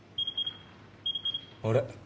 あれ？